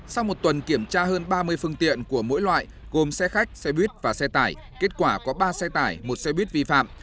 sau một tuần kiểm tra hơn ba mươi phương tiện của mỗi loại gồm xe khách xe buýt và xe tải kết quả có ba xe tải một xe buýt vi phạm